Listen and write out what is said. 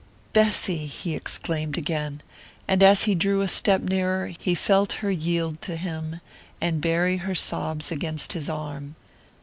"Bessy!" he exclaimed again; and as he drew a step nearer he felt her yield to him, and bury her sobs against his arm.